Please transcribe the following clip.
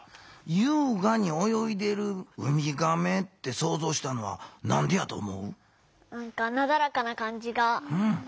「優雅におよいでるウミガメ」ってそうぞうしたのはなんでやと思う？